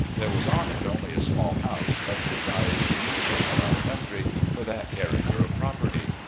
There was on it only a small house, of the size usual in our country for that character of property.